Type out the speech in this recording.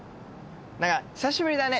何か久しぶりだね